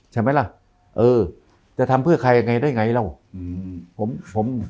จะทำเพื่อใครได้ไงแล้ว